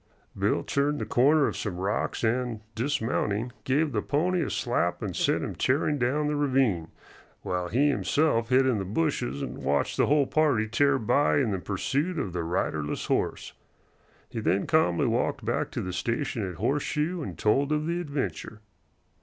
Bill turned the corner of some rocks and, dismounting, gave the pony a slap and sent him tearing down the ravine, while he himself hid in the bushes and watched the whole party tear by in the pursuit of the riderless horse. He then calmly walked back to the station at Horseshoe and told of the adventure.